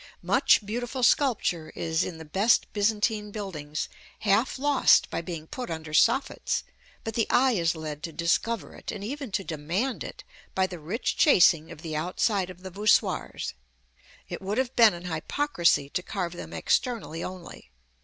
Much beautiful sculpture is, in the best Byzantine buildings, half lost by being put under soffits; but the eye is led to discover it, and even to demand it, by the rich chasing of the outside of the voussoirs. It would have been an hypocrisy to carve them externally only.